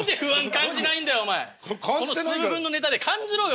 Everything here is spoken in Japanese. この数分のネタで感じろよ！